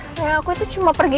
saya aku itu cuma pergi